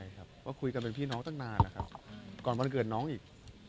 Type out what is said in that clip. ก็คุยกันพี่น้องตั้งนานนะครับก่อนบรรเกิดน้องอีก